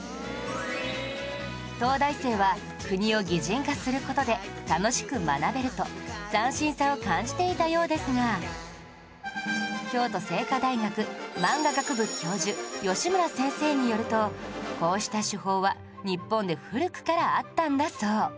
東大生は国を擬人化する事で楽しく学べると斬新さを感じていたようですが京都精華大学マンガ学部教授吉村先生によるとこうした手法は日本で古くからあったんだそう